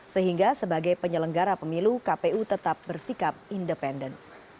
sehingga sebagai penyelenggara pemilu kpu tetap bersikap independen